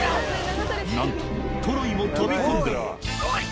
なんとトロイも飛び込んだおい！